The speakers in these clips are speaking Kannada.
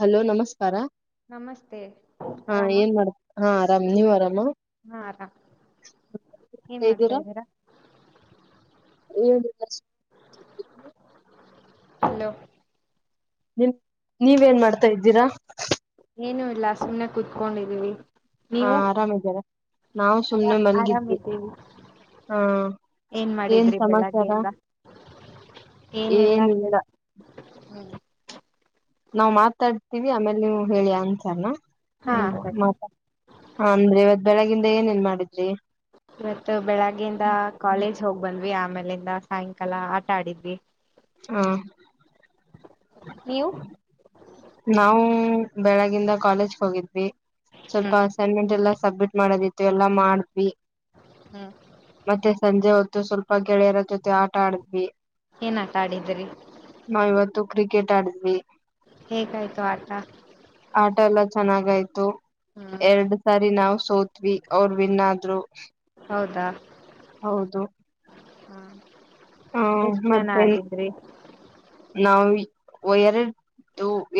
ಹಲೋ ನಮಸ್ಕಾರ ನಮಸ್ತೆ ಹಾ ಆರಾಮ ಏನ್ ಮಾಡ್ ಹಾ ಆರಾಮ ನೀವ್ ಆರಾಮ ಹ ಹಾ ಆರಾಮ್ ಏನ್ ಮಾಡ್ತಾದೀರಾ ಏ ಹಲೋ ನಿಮ ನೀವೇನ್ ಮಾಡ್ತಾ ಇದ್ದೀರಾ ಏನು ಇಲ್ಲ ಸುಮಮ್ಮನೆ ಕುೂತ್ಕೊಂಡಿದೀವಿ ಹ ನೀವು ಆರಾಮಿದಾರ ನಾವು ಆರಾ ಸುಮ್ನೆ ಮಲ್ಗಿದ್ವಿ ಆರಾಮ್ದೀವಿ ಹ ಏನ್ ಮಾಡಿದ್ರಿ ಬೆಳಗ್ಗೆಯಿಂದ ಏನಲ್ಲಾ ಏನಿಲ್ಲ ಹ್ಮ ನಾ್ ಮಾತಾಡ್ತಿವಿ ಆಮೇಲೆ ನೀವು ಹೇಳಿ ಅನ್ಸಾರನಾ ಹಾ ಸರಿ ಹ ಹ ಅಂದ್ರೆ ಇವತ್ ಬೆಳಗಿಂದ ಏನೇನ್ ಮಾಡಿದ್ರಿ ಇವತ್ತು ಬೆಳಗ್ಗೆಯಿಂದ ಕಾಲೇಜ್ ಹೋಗ್ ಬಂದ್ವಿ ಆಮೇಲಿಂದ ಸಾಯಂಕಾಲ ಆಟ ಆಡಿದ್ವಿ ಹಾ ನೀವು ನಾವು ಬೆಳಗಿಂದ ಕಾಲೇಜ್ ಹೋಗಿದ್ವಿ ಸ್ವಲ್ಪ ಹ್ಮ್ ಅಸೈನ್ಮೆಂಟ್ ಎಲ್ಲ ಸಬ್ಮಿಟ್ ಮಾಡೋದಿತ್ತು ಎಲ್ಲ ಮಾಡವಿ ಹ್ಮ್ ಮತ್ತೆ ಸಂಜೆ ಹೊ ಸ್ವಲ್ಪ ಗೆಳೆಯರ ಜೊತೆ ಆಟ ಆಡಿದ್ವಿ ಏನಟಾ ಆಡಿದ್ರಿ ನಾವ್ ಇವತ್ತು ಕ್ರಿಕೆಟ್ ಆಡಿದ್ವಿ ಹೇಗಾಯ್ತು ಆಟ ಆಟ ಎಲ್ಲಾ ಚೆನ್ನಾಗಯ್ತು ಹ್ಮ್ ಎರಡ್ ಸಾರಿ ನಾವ್ ಸೋತ್ವಿ ಅವ್ರ ವಿನ್ ಆದ್ರು ಹೌದಾ ಹೌದು ಹ್ಮ್ ಹಾ ಮತ್ತೆ ನಾವ ಎ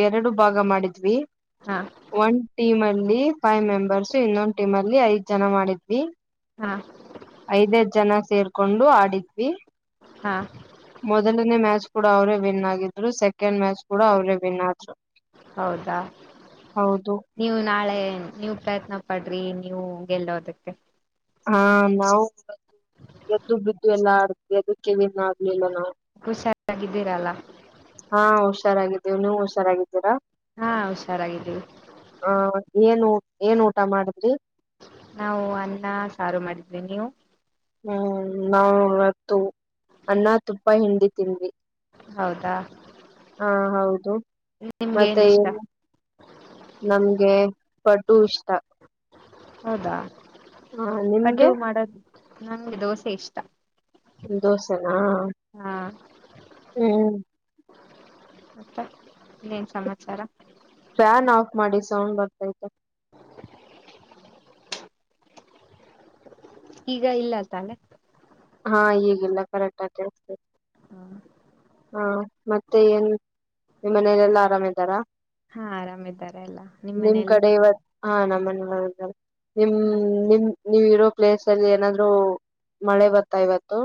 ಎರಡು ಭಾಗ ಮಾಡಿದ್ವಿ ಹಾ ಒನ್ ಟೀಮ ಅಲ್ಲಿ ಫೈವ್ ಮೆಂಬರ್ಸ್ ಇನ್ನೊಂದ್ ಟೀಮ್ ಅಲ್ಲಿ ಐದ್ ಜನ ಮಾಡಿದ್ವಿ ಹಾ ಐದ್ದ್ ಜನ ಸೇರ್ಕೊಂಡು ಆಡಿದ್ವಿ ಹಾ ಮೊದಲನೇ ಮ್ಯಾಚ್ ಕೂಡ ಅವರೇ ವಿನ್ ಆಗಿದ್ರು ಚ ಮ್ಯಾಚ್ ಕೂಡ ಅವ್ರೇನ್ ಹೌದಾ ಹೌದು ನೀವುಪ್ರಯತ್ನ ಪಡ್ರಿ ನೀವು ಗೆಲ್ಲೋದಕ್ಕೆ ಹಾ ನಾವು ಎದ್ದು ಬಿದ್ದು ಎಲ್ಲ ಆಡ್ತ ಎದಕ್ಕೆನ್ ಆಗ್ಲಿಲ್ಲ ನಾವು ಚಾರಾಗಿದ್ದೀರಲ್ಲ ಹಾ ಹುಷಾರಾಗಿದ್ದೀವು ನೀವು ಹುಷಾರಾಗಿದ್ದೀರಾ ಹಾ ಹುಷಾರಾಗಿದ್ದೀವಿ ಹ ಏನ್ ಏನ್ ಊಟ ಮಾಡಿದ್ರಿ ನಾವು ಅನ್ನ ಸಾರು ಮಾಡಿದ್ವಿ ನೀವು ಹ್ಮ್ ನಾವು ಇವತ್ತು ಅನ್ನ ತುಪ್ಪ ಹಿಂಡಿ ತಿನ್ ಹೌದಾ ನಿಮ್ಗೆ ಏನ್ ಇಷ್ಟ ಮತ್ತೆನು ನಮ್ಗೆ ಪದ್ದು ಇಷ್ಟ ಹೌದಾ ಹಾ ಪಡ್ಡು ನಿಮ್ಗೆ ಮಾಡೋದು ನಂಗೆ ದೋಸೆ ಇಷ್ಟ ದೋಸೆನಾ ಹಾ ಹ್ಮ್ ಮತ್ತಏನ್ ಸಮಾಚಾರ ಫ್ಯಾನ್ ಆಫ್ ಮಾಡಿ ಸೌಂಡ್ ಬರ್ತೈತೆ [unintelligible] ಈಗ ಇಲ್ಲ ತಾನೆ ಹಾ ಹಗಿಲ್ಲ ಕರೆಕ್ಟ್ ಆಗಳ್ತೇದೆ ಹಾ ಮತ್ತೆ ಏನ್ ಮನಲೆಲ್ಲಾ ಆರಾಮ ಇದಾರಾ ಹಾ ಆರಾಮ್ದಾರ ಎಲ್ಲಾ ನಿಮ್ಮ್ ಮನೆಯಲ್ಲಿ ಆ ನಮ್ಮನೇಲು ಇದ್ದಾರೆ ಹ, ನೀವು ಇರೋ ಪ್ಲೇಸ್ ಅಲ್ಲಿ ಏನಾದ್ರು ಮಳೆ ಬರ್ತಾ ಇವತ್ತು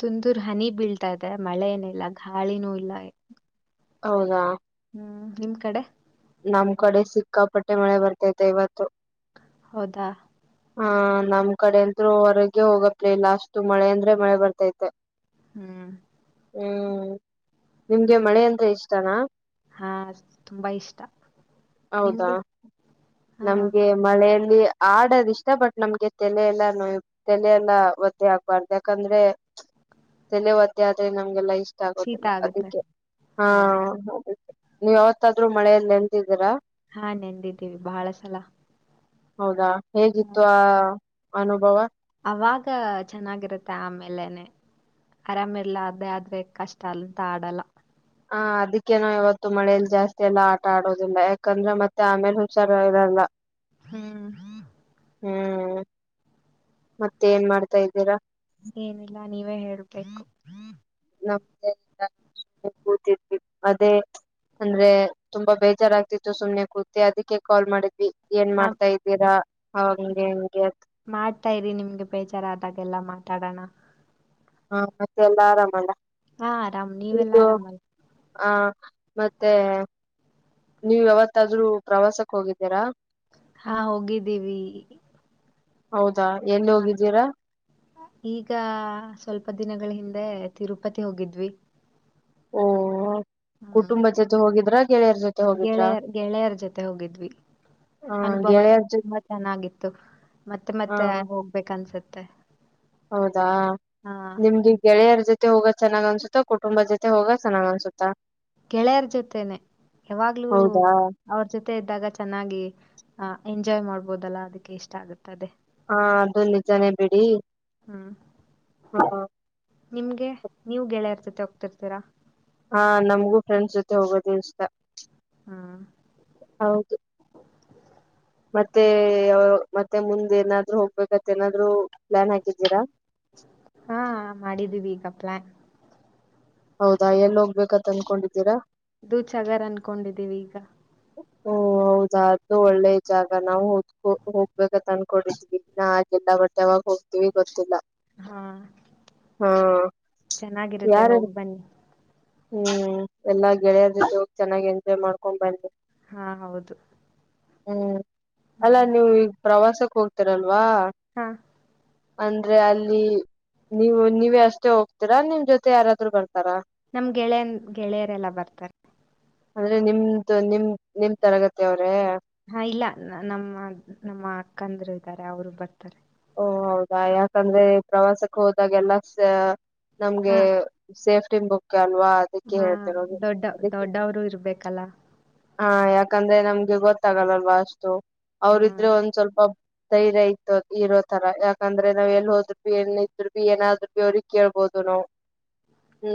ತುಂದುರ್ ಹನಿ ಬೀಳ್ತಾ ಇದೆ ಮಳೆ ಏನಿಲ್ಲ ಗಾಳಿನೂ ಇಲ್ಲ ಹೌದಾ ಹ್ಮ್ ನಿಮ್ ಕಡೆ ನಮ್ ಕಡೆ ಸಿಕ್ಕಾಪಟ್ಟೆ ಮಳೆ ಬರ್ತತೆ ಇವತ್ತು ಹೌದಾ ಹಾ ನಮ್ ಕಡೆ ಅಂತರು ಹೊರಗೆ ಹೋಗತ್ ಇಲ್ಲ ಅಷ್ಟು ಮಳೆ ಅಂದ್ರೆ ಮಳೆ ಬರ್ತೈತೆ ಹ್ಮ್ ಹ್ಮ್ ನಿಮ್ಗೆ ಮಳೆ ಅಂತ ಇಷ್ಟನಾ ಹಾ ತುಂಬಾ ಇಷ್ಟ ಹೌದಾ ನಿಮ್ಗೆ ಹಾ ನಮ್ಗೆ ಮಳೆಲ್ಲ ಇಲ್ಲಿ ಆಡದ ಇಷ್ಟ ಬಟ್ ನಮ್ಗೆ ತಲೆ ಎಲ್ಲಾ ನೋಯ ತಲೆ ಎಲ್ಲಾ ಒತ್ತಿ ಆಗ್ಬಾರ್ದು ಯಾಕಂದ್ರೆ ತಲೆವತ್ತೆ ಆದ್ರೆ ನಮ್ಗೆಲ್ಲೈ ಷ್ಟ ಶೀತ ಆಗುದಿಲ್ಲ ಆಗತ್ತೆ ಅದಕ್ಕೆ ಹಾ ಅದ ನೀವ್ ಯಾವತ್ತಾದ್ರೂ ಮಳೆಯಲ್ಲಿ ಎಂತಿದ್ದೀರಾ ಹಾ ನೆಂದಿದ್ದೀವಿ ಬಹಳ ಸಲ ಹೌದಾ ಹೇಗಿತ್ತು ಆ ಅನುಭವ ಚೆನ್ನಾಗಿರತ್ತೆ ಆಮೇಲೆನೆ ಅರಾಮ ಇರ್ಲ್ಲ ಅೇ ಆದ್ರೆ ಕಷ್ಟ ಅಲ್ಲಂತ ಆಡಲ್ಲ ಹ ಅದಕ್ಕೇನ ಇವತ್ತು ಮಳೇಯಲ್ಲಿ ಜಾಸ್ತಿ ಎಲ್ಲಾ ಆಟ ಆಡೋದಿಲ್ಲ ಯಾಕಂದ್ರೆ ಮತ್ತೆ ಆಮೇಲೆ ಹುಷಾರ ಇರಲ್ಲ ಹ್ಮ್ ಹ್ಮ [inaudible] ಹ್ಮ್ ಮತ್ತೆ ಏನ್ ಮಾಡ್ತಾ ಇದ್ದೀರಾ ಏನಿಲ್ಲ ನೀವೇ ಹೇಳ್ಬೇಕು ನಮ್ದ ಕೂತಿರ್ ಅದೇ [unintelligible] ಅಂದ್ರೆ ತುಂಬಾ ಬೇಜಾರಾಗಗ್ತಿತ್ತು ಸುಮ್ನೆ ಕೂತಿ ಅದಕ್ಕೆ ಕಾಲ್ ಮಾಡಿದ್ವಿ ಏನ್ ಆ ಮಾಡ್ತಾ ಇದ್ದೀರಾ ಅವಂಗೆ ಹೆಂಗೆ ಮಾಡ್ತಾ ಇರಿ ನಿಮ್ಗೆ ಬೇಜಾರ ಆದಾಗೆಲ್ಲಾ ಮಾತಾಡೋಣ ಹಾ ಮತ್ತೆ ಎಲ್ಲ ಹಾ ಆರಾಮ್ ನೀವೆಲ್ಲಾ ಆರಾಮಲ್ಲದು ಆರಾಮಲ್ಲ ಹ ಮತ್ತೆ ನೀವು ಯಾವತ್ತಾದ್ರೂ ಪ್ರವಾಸಕ್ ಹೋಗಿದ್ದೀರಾ ಹಾ ಹೋಗಿದ್ದೀವಿ ಹೌದಾ ಎಲ್ಲಿ ಹ ಹೋಗಿದ್ದೀರಾ ಈಗ ಸ್ವಲ್ಪ ದಿನಗಳ ಹಿಂದೆ ತಿರುಪತಿ ಹೋಗಿದ್ವಿ ಓ ಹ್ಮ್ ಕುಟುಂಬ ಜೊತೆ ಹೋಗಿದ್ರ ಗೆಳೆಯರ್ ಗೆಳೆಯರ ಜೊತೆ ಹೋಗಿದ್ವಿ ಹ ಅನುಭವ ಗೆಳೆಯರ್ ಜೊತೆ ತುಂಬಾ ಚೆನ್ನಾಗಿತ್ತು ಮತ್ತೆ ಮತ್ತೆ ಯ ಹ ಹೋಗ್ಬೇಕ ಅನ್ಸತ್ತೆ ಹೌದಾ ನಿಮ್ಗೆ ಗೆಳೆಯರ ಜೊತೆ ೊ [unintelligible] ಹೋಗ ಚೆನ್ನಾಗ್ ಅನ್ಸುತ್ತಾ ಕುಟುಂಬ ಜತೆ ಹೋಗ ಚೆಾಗ್ ಅನ್ಸುತ್ತಾ ಗೆಳೆಯರ ಜೊತೆನೆ ಯಾವಾಗ್ಲೂ ಹೌದಾ ಅವ್ರ ಜೊತೆ ಇದ್ದಾಗ ಚೆನ್ನಾಗಿ ಹ ಎಂಜಾಯ್ ಮಾಡ್ಬೋದಲ್ಲಾ ಅದಕ್ಕೆ ಇಷ್ಟ ಆಗತ್ತ ಅದೇ. ಹಾ ಅದು ನಿಜಾನೇ ಬಿಡಿ ಹ್ಮ್ ಹ. ನಿಮ್ಗೆ ನೀವು ಗೆಳೆಯರ ಜೊತೆ ಹೋಗ್ತಿರ್ತೀರಾ. ಹಾ ನಮಗೂ ಫ್ರೆಂಡ್ಸ್ ಜೊತೆ ಹೋಗೋದ ಇಷ್ಟ. ಹಾ. ಹೌದು ಮತ್ತೆ ಮತ್ತೆ ಮುಂದೆ ಏನಾದ್ರು ಹೋಗ್ಬೇಕತ್ ಏನಾದ್ರು ಪ್ಲಾನ್ ಹಾಕಿದ್ದೀರಾ. [inaudible] ಹಾ ಮಾಡಿದೀವಿ ಈಗ ಪ್ಲಾನ್. ಹೌದಾ ಎಲ್ಲಿ ಹೋಗ್ಬೇಕತ್ ಅನ್ಕೊಂಡಿದ್ದೀರಾ. ದೂದ್ ಸಾಗರ್ ಅನ್ಕೊಂಡಿದ್ದೀವಿ ಈಗ. ಹಓ ಹೌದ ಅದು ಒಳ್ಳೆ ಜಾಗ. ನಾವು ಹದಕ ಹೋಗ್ಬೇಕಂತ ಅನ್ಕೊಂಡಿದೀವಿ ಇನ್ನ ಹಾಗೆಲ್ಲ ಬಟ್ ಯಾವಾಗ ಹೋಗ್ತೀವಿ ಗೊತ್ತಿಲ್ಲ. ಹಾ ಹಾ ಚೆನ್ನಾಗಿರುತ್ತೆ ಯಾರ ಹೋಗಿ ಬನ್ನಿ. ಹ್ಮ್ ಎಲ್ಲಾ ಗೆಳೆಯದ್ರ ಜ ಹೋಗ ಚೆನ್ನಾಗಿ ಎಂಜಾಯ್ ಮಾಡ್ಕೊಂಡ್ ಬಂದವಿ. ಹಾ ಹೌದು. ಹ್ಮ್ ಅಲ್ಲಾ ಹ್ಮ್ ನೀವು ಈಗ ಪ್ರವಾಸಕ್ ಹೋಗ್ತೀರಲ್ವಾ. ಹಾ ಅಂದ್ರೆ ಅಲ್ಲಿ ನೀವು ನೀವ ಅಷ್ಟೇ ಹೋಗ್ತೀರಾ ನಿಮ್ ಜೊತೆ ಯಾರಾದ್ರರು ಬರ್ತಾರಾ. ನಮ್ ಗೆಳೆಯನ್ ಗೆಳೆಯರೆಲ್ಲ ಬರ್ತಾರೆ. ಅಂದ್ರೆ ನಿಮ್ದು ನಿಮ ನಿಮ್ ತರಗತಿ ಅವರು. ಹಾ ಇಲ್ಲ ನಮ್ಮ ನಮ್ಮ ಅಕ್ಕಂದರು ಇದ್ದಾರೆ ಅವರು ಬರ್ತಾರೆ. ಓ ಹೌದಾ ಯಾಕಂದ್ರೆ ಪ್ರವಾಸಕ್ಕೆ ಹೋದಾಗೆಲ್ಲ ನಮ್ಗೆ ಹಾ ಸೇಫ್. ಲ್ವಾ ಅದಕ್ಕೆ ಹಾ ಹೇಳ್ತರೋದು ದೊಡ್ಡ ಅದಕ್ಕೆ. ದೊಡ್ಡವರು ಇರ್ಬೇಕಲ್ಲ ಹಾ ಯಾಕಂದ್ರೆ ನಮ್ಗೆ ಗೊತ್ತಾಗಲ್ಲಲ್ವಾ ಅಷ್ಟು ಹಾ ಅವ್ರಿದ್ರೆ ಒಂದ್ ಸ್ವಲ್ಪ. ಧೈರ್ಯ ಇಯತ ಇರೋ ತರ ಯಾಕಂದ್ರೆ ನಾವ್ ಎಲ್ಲಿ ಹೋದ್ರು ಭ ಬಿ ಎಲ್ಲ ಇದ್ರು ಭ ಏನಾದ್ರು ಭ ಅವ್ರಿಗೆ ಕೇಳ್ಬೋದು. ಹದನೋ.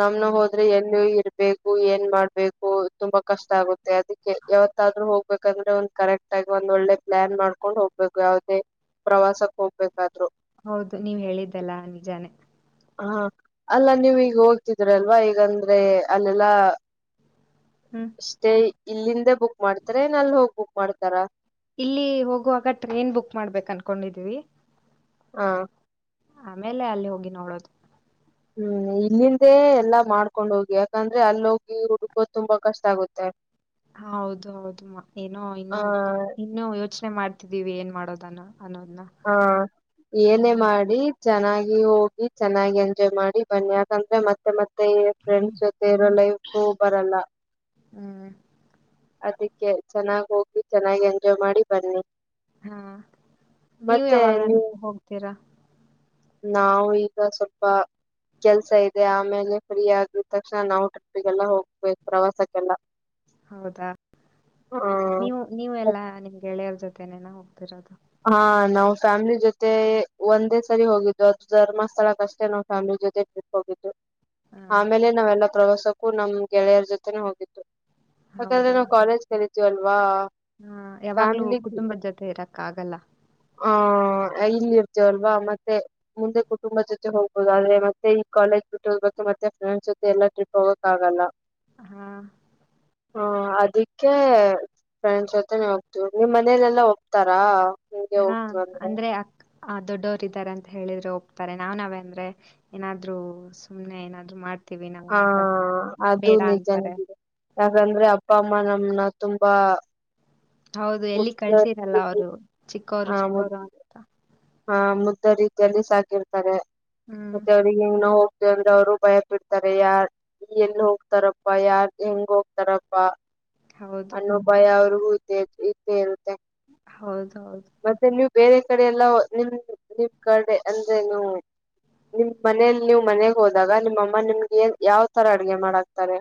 ನಮ್ನ ಹಾ ಹೋದ್ರೆ ಎಲ್ಲ ಇರ್ಬೇಕು ಏನ್ ಮಾಡ್ಬೇಕು ತುಂಬಾ ಕಷ್ಟ ಆಗುತ್ತೆ. ಅದಕ್ಕೆ ಯಾವತ್ತಾದ್ ಹೋಗ್ಬೇಕಂದ್ರೆ ಒಂದ್ ಕರೆಕ್ಟ್ ಆಗಿ ಒಂದ್ ಒಳ್ಳೆ ಪ್ಲಾನ್ ಮಾಡ್ಕೊಂಡ್ ಹೋಗ್ಬೇಕು ಯಾವದೇ. ಪ್ರವಾಸಕ್ ಹೋಗ್ಬೇಕಾದ್ರು. ಹೌದು ನೀವ್ ಹೇಳಿದ್ದಲ್ಲಾ ನಿಜಾನೇ. ಹಾ ಅಲ್ಲ ನೀವ್ ಈಗ ಹೋಗ್ತಿದ್ರಲ್ವಾ ಈಗಂದ್ರೆ ಅಲ್ಲೆಲ್ಲಾ. ಹ್ಮ್ ಅಷ್ಟೇ ಇಲ್ಲಿಂದ ಬುಕ್ ಮಾಡ್ತಾರ ನ ಅಲ್ಲಿ ಹೋಗಿ ಬುಕ್ ಮಾಡ್ತಾರ. ಇಲ್ಲಿ ಹೋಗುವಾಗ ಟ್ರೇನ್ ಬುಕ್ ಮಾಡ್ಬೇಕು ಅನ್ಕೊಂಡಿದೀವಿ. ಹಾ. ಆಮೇಲೆ ಅಲ್ಲಿ ಹೋಗಿ ನೋಡೋದು. ಹ್ಮ್ ಇಲ್ಲಿಂದೇ ಎಲ್ಲಾ ಮಾಡ್ಕೊಂಡ್ ಹೋಗಿ ಯಾಕಂದ್ರೆ ಅಲ್ಲಿ ಹೋಗಿ ಹುಡ್ಕೋ ತುಂಬಾ ಕಷ್ಟ ಆಗುತ್ತೆ. ಹ ಹೌದು ಹೌದುಮ್ಮ ಏನೋ ಇನ್ನು ಆ ಇನ್ನು ಯೋಚನೆ ಮಾಡ್ತಿದ್ದೀವಿ ಏನ್ ಮಾಡೋದನ್ನ. ಅನ್ನೋದ್ನ ಹಾ ಏನೇ ಹ್ಮ್ ಮಾಡಿ. ಚೆನ್ನಾಗಿ ಹೋಗಿ ಚೆನ್ನಾಗಿ ಎಂಜಾಯ್ ಮಾಡಿ ಬನ್ನಿ ಯಾಕಂದ್ರೆ ಮತ್ತೆ ಮತ್ತೆ. ೊ ಫ್ರೆಂಡ್ಸ್ ಜೊತೆ ಇರೋ ಲೈಫ್ ಬರಲ್ಲ ಹ್ಮ್ ಅದ. ಚೆನ್ನಾಗ್ ಹೋಗಿ ಚೆನ್ನಾಗಿ ಎಂಜಾಯ್ ಮಾಡಿ ಬನ್ನಿ. ಹಾ ನೀವ ಮತ್ತೆ ಯಾವಾಗನ್ ನೀವು ಹೋಗ್ತೀರಾ. ನಾವು ಈಗ ಸ್ವಲ್ಪ. ಕೆಲ್ಸ ಇದೆ ಆಮೇಲೆ ಫ್ರೀ ಆದಗಿದ ತಕ್ಷಣ ನಾವು ಟ್ರಿಪ್ಪಿಗೆಲ್ಲ ಹೋಗ್ಬೇಕು ಪ್ರವಾಸಕ್ಕೆಲ್ಲ. ಹೌದಾ ಹ್ಮ್ ನೀವು ನೀವೆ ಎಲ್ಲಾ ನಿಮ್ಗೆ ಗೆಳೆಯರ ಜೊತೆನೇನ ಹೋಗ್ತಿರೋದು. ಹಾ ನಾವ್ ಫ್ಯಾಮಿಲಿ ಜೊತೆ ಒಂದೇ ಸರಿ ಹೋಗಿದ್ದು ಅದು ಧರ್ಮಸ್ಥಳಕ್ ಅಷ್ಟೇ ನಾವ್ ಫ್ಯಾಮಿಲಿ. ಜೊತೆ ಟ್ರಿಪ್ ಹೋಗಿದ್ದು ಹ ಆಮೇಲೆ ನಾವೆಲ್ಲ ಪ್ರವಾಸಕ್ಕೂ ನಮ್ ಗೆಳೆಯರ ಜೊತೆನೆ ಹೋಗಿದ್ದು. ಯಾಕಂದ್ರೆ ನಾವು ಕಾಲೇಜ್ ಕಲತೀವ ಅಲ್ವಾ. ಹಾ ಯಾವಾಗ್ಲೂ ಕುಟುಂಬದ ಜೊತೆ ಇರಕ್ಕ ಆಗಲ್ಲ. ಹಾ. ಇಲ್ಲಿ ಇರ್ತ ಅಲ್ವಾ ಮತ್ತೆ ಮುಂದೆ ಕುಟುಂಬ ಜೊತೆ ಹೋಗ್ಬಹುದ ಆದ್ರೆ ಮತ್ತೆ ಈ ಕಾಲೇಜ್ ಬಿಟ್ಟೋ. ಮತ್ತೆ ಫ್ರೆಂಡ್ಸ್ ಜೊತೆ ಎಲ್ಲ ಟ್ರಿಪ್ ಹೋಗೋಕಕ್ಕಾಗಲ್ಲ [unintelligible] ಹಾ [unintelligible] ಹಾ ಅದಕ್ಕೆ ಫ್ರೆಂಡ್ಸ್ ಜೊತೆನೆ ಹೋಗ್ತವಿ ನಿಮ್ ಮನೇಲೆೆಲ್ಲಾ ಹೋಗ್ತಾರಾ [unintelligible] ಹಾ ಅಂದ್ರೆ ಅಕ್ಕ [unintelligible] ಆ ದೊಡ್ಡವರ [unintelligible] ದಾರೆ ಅಂತ ಹೇಳಿದ್ರೆ ಹೋಗ್ತಾರೆ ನಾವ್ ನಾವ್ ಅಂದ್ರೆ ಏನಾದ್ರು ಸುಮ್ನೆ ಏನಾದ್ರು ಮಾಡ್ ಹಾ ಅದು ಅಂತಾರೆ ನಿಜನಿದೆ ಯಾಕಂದ್ರೆ ಅಪ್ಪ ಅಮ್ಮನ [unintelligible] ನ ತುಂಬಾ [unintelligible] ಹೌದು ಎಲ್ಲಿ ಮುಗ್ಧ ಕಳ್ಸಿರಲ್ಲ ರೀತಿಯಲ್ಲಿ ಅವರು ಚಿಕ್ಕವರು ಚಿಕ್ಕೋರು ಅಂತ [unintelligible] ಹಾ ಮುದ್ದ ರೀತಿಯಲ್ಲಿ ಸಾಕಿರ್ತಾರೆ ಹ್ಮ್ ಮತ್ತೆ ಅವ್ರಿಗೆ ಹೆ ನೋ [unintelligible] ಅಂದ ಅವ್ರು ಭಯಪಿಡ್ತಾರೆ ಯಾರ್ [unintelligible] ಎಲ್ಲಿ ಹೋಗ್ತಾರಪ್ಪಾ ಯಾರ್ ಹೆಂಗ ಹೋಗ್ತಾರಪ್ಪ [unintelligible] ಹೌದು ಅನ್ನೊ ಅನುಭಯ ಅವರು ಇದ್ದೆ ಇರುತ್ತೆ [unintelligible] ಹೌದು [unintelligible] ಮತ್ತೆ ನೀವು ಬೇರೆ ಕಡೆ ಎಲ್ಲ ನಿಮ ನಿಮ್ಮ ಕಡೆ ಅಂದ್ರೆ ನೀ [unintelligible] ನಿಮ್ ಮನೇಲಿ ನೀವು ಮನೆಗ್ ಹೋದಾಗ ನಿಮ್ಮಮ್ಮ ನಿಮ್ಗೆ ಯಾವ್ ತರ ಅಡ್ಗೆ ಮಾಡಕ್ತಾರೆ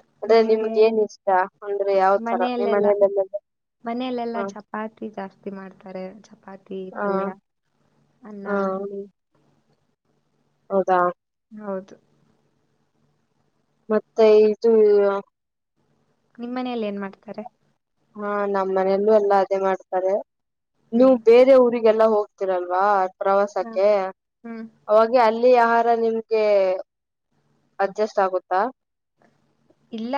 [unintelligible] ಅದೇ ನಮ್ಗೆ ನಿಮ್ಗೆ ಏನ್ ಇಷ್ಟ ಅಂದ್ರೆ ಯಾವ ತರ ನಿ ಮನಲೆಲ್ಲ [unintelligible] ಮನೆಯಲೆೆಲ್ಲಾ ಚಪಾತಿದಿದ್ದಾರೆ [unintelligible] ಮಾಡ್ತಾರೆ ಚಪಾತಿ ಹ ಪಲ್ಯ ಅನ್ನ ಹ ಹು [unintelligible] ಹೌದಾ [unintelligible] ಹೌದು [unintelligible] ಮತ್ತೆ ಇದು [unintelligible] ನಿಮ ಮನೆಯಲ್ಲಿ ಏನ್ ಮಾಡ್ತಾರೆ [unintelligible] ಹಾ ನಮ್ಮ್ ಮನೆಯಲ್ಲೂ ಎಲ್ಲಾ ಅದೇ ಮಾಡ್ತಾರೆ ನೀವು ಹ್ಮ್ ಬೇರೆ ಊರಿಗೆ [unintelligible] ಲ್ಲ ಹೋಗ್ತಿರಲ್ವಾ ಹ ಪ್ರವಾಸಕ್ಕೆ ಹ್ಮ್ ಅವ ಅಲ್ಲಿ [unintelligible] ಲ್ಲಿ ಆಹಾರ ನಿಮಗೆ ಅಡ್ಜಸ್ಟ್ ಆಗುತ್ತಾ [unintelligible] ಇಲ್ಲ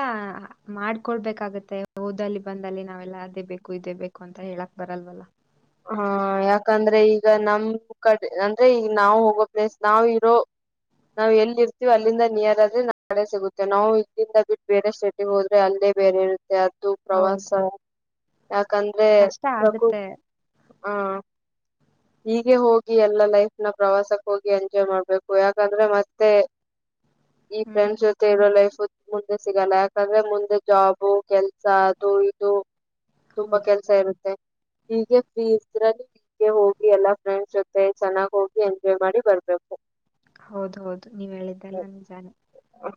ಮಾಡ್ಕೊಳ್ಬೇಕಾಗತ್ತೆ [unintelligible] ಹೌದ ಅಲ್ಲಿ ಬಂದ ಅಲ್ಲಿ ನಾವೆಲ್ಲಾ ಅದೇ ಬೇಕು ಇದೇ ಬೇಕು ಅಂತ ಹೇಳಕ್ ಬರಲ್ವಲ್ಲ [unintelligible] ಹಾ ಯಾಕಂದ್ರೆ ಈಗ ನಮ ಕಡೆ ಅಂದ್ರೆ ಈಗ ನಾವ ಹೋಗೋ ಪ್ಲೇಸ್ ನಾವ್ ಇರೋ [unintelligible] ನಾವ್ ಎಲ್ಲಿ ಇರ್ತೀವಿ ಅಲ್ಲಿಂದ ನಿಯರ್ ಆದ್ರೆ ನಾ ಕಡೆ ಸಿಗುತ್ತೆವೆ ನಾವು ಇಲ್ಲಿಂದ ಬಿಟ್ಟ ಬೇರೆ ಸ್ಟೇಟಿಗೆ ಹೋದ್ರೆ ಅಲ್ಲಿ [unintelligible] ಬೇರೆ ಇರುತ್ತೆ ಅದು ಪ್ರವಾಸ ಹೌದು ಯಾಕಂದ್ರೆ ಕಷ್ಟ ಪ್ರು [unintelligible] ಆಗುತ್ತೆ ಹಾ [unintelligible] ಹೀಗೆ ಹೋಗಿ ಎಲ್ಲ ಲೈಫ್ನ ಪ್ರವಾಸಕ್ ಹೋಗಿ ಎಂಜಾಯ್ ಮಾಡ್ಬೇಕು ಯಾಕಂದ್ರೆ ಮತ್ತೆ [unintelligible] ಈ ಹ್ಮ್ ಫ್ರೆಂಡ್ಸ್ ಜೊತೆ ಇರೋ ಲೈಫ್ [unintelligible] ಮುಂದೆ ಸಿಗಲ್ಲ ಯಾಕಂದ್ರೆ ಮುಂದೆ ಜಾಬು ಕೆಲ್ಸ ಅದು ಇದು [unintelligible] ತುಂಬಾ ಹೌದು ಕೆಲ್ಸ ಇರುತ್ತೆ ಹೀಗೆ ಫ್ರೀ ಇದ್ರಲ್ಲಿ ಹೀಗೆ ಹೋಗ [unintelligible] ಎಲ್ಲಾ ಫ್ರೆಂಡ್ಸ್ ಜೊತೆ ಚೆನ್ನಾಗ್ ಹೋಗಿ ಎಂಜಾಯ್ ಮಾಡಿ ಬರ್ಬೇಕು [unintelligible] ಹೌದ ಹೌದು ನೀವ ಹೇಳಿದ್ದೆಲ್ಲ ನಿಜಾನೆ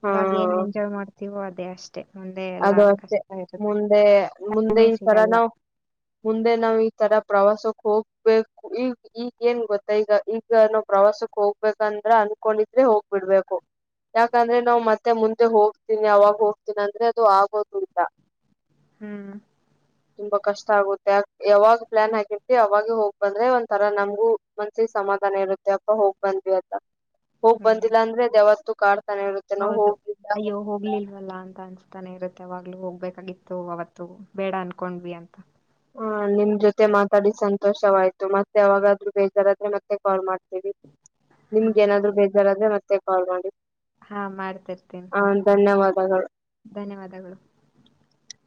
ಹಾ ಇವಾಗ ಏನ್ ಎಂಜಾಯ್ ಮಾಡ್ತೀವೋ ಅದೇ ಅಷ್ಟೇ [unintelligible] ಎಲ್ಲಾ ಅದು ಅಷ್ಟೆ ಕಷ್ಟ ಇರುತ್ತೆ ಮುಂದೆ ಮುಂದೆ ಸಮಯ ಈ ತರ ಸಿಗಲ್ಲ ನಾವ್ ಮುಂದೆ ನಾವ್ ಈ ತರ [unintelligible] ಪ್ರವಾಸಕ್ ಹೋಗ್ಬೇಕು ಈಗ ಈಗ ಏನ್ ಗೊತ್ತ ಈಗ ಈಗ ನಾವು ಪ್ರವಾಸಕ್ಕೆ ಹೋಗ್ಬೇಕಂದ್ರ [unintelligible] ಅಂದಕೊಂಡಿದ್ರೆ ಹೋಗ್ಬಿಡ್ಬೇಕು ಯಾಕಂದ್ರೆ ನಾ್ ಮತ್ತೆ ಮುಂದೆ ಹೋಗ್ತೀನಿ ಅವಾಗ ಹೋಗ್ತೀನಿ ಅಂದ್ರೆ [unintelligible] ದು ಆಗೋದಂತ [unintelligible] ಹ್ಮ್ [unintelligible] ಕಷ್ಟ ಆಗುತ್ತೆ ಯಾವಾಗ್ ಪ್ಲಾನ್ ಆಗಿರ್ತಿತಿ ಅವಾಗ ಹೋಗ್ ಬಂದ್ರೆ ಒಂಥರ ನಮಗೂ ಮನ್ಸಿಗೆ ಸಮಾಧಾನ [unintelligible] ಇರುತ್ತೆ ಅಪ್ಪ ಹೋಗ್ ಬಂದ್ವಿ ಅದ [unintelligible] ಹೋಗ್ ಹ್ಮ್ ಬಂದಿಲ್ಲ ಅಂದ್ರೆ ಯಾವತ್ತೂ ಕಾಡ್ತಾನೆ ಇರುತ್ತೆ ನಾ ಹೌದು ಹೋಗ್ಲಿಲ್ಲ ಹೋಗಲಿಲ್ಲ ಅಂತ [unintelligible] ತಾನೆ ಇರುತ್ತೆ ಅವಾಗ್ಲೂ ಹೋಗ್ಬೇಕಾಗಿತ್ತು ಅವತ್ತು ಬೇಡ ಅನ್ಕೊಂಡ್ವಿ ಅಂತ [unintelligible] ಹ ನಿಮ್ ಜೊತೆ ಮಾತಾಡಿ ಸಂತೋಷವಾಯ್ತು ಮತ್ತೆ ಅವಾಗಾರು ಬೇಜಾರಾದ್ರೆ ಮತ್ತೆ ಕಾಲ್ ಮಾಡ್ [unintelligible] ಹಾ ನಿಮ್ಗೆ ಏನಾದ್ರು ಸರಿ ಬೇಜಾರ ಅಂದ್ರೆ ಮತ್ತೆ ಕಾಲ್ ಮಾಡಿ [unintelligible] ಹಾ ಮಾಡ್ತಿರ್ತೀನಿ ಆ ಧನ್ಯವಾದಗಳು. ಧನ್ಯವಾದಗಳು [unintelligible]